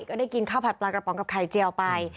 ก็ได้กินข้าวผัดปลากระป๋องกับไข่เจียวไป